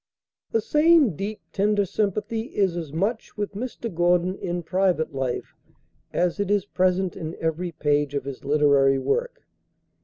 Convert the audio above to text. The same deep, tender sympathy is as much with Mr. Gordon in private life as it is present in every page of his literary work.